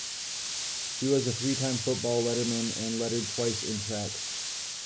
He was a three-time football letterman and lettered twice in track.